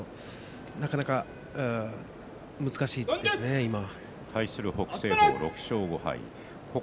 なかなか難しいですね今は。